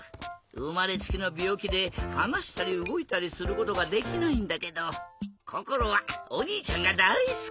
うまれつきのびょうきではなしたりうごいたりすることができないんだけどこころはおにいちゃんがだいすき！